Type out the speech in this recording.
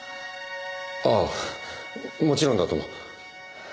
ああもちろんだとも。